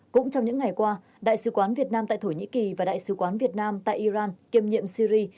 cũng trong những ngày qua đại sứ quán việt nam tại thổ nhĩ kỳ và đại sứ quán việt nam tại iran kiêm nhiệm syri